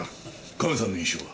カメさんの印象は？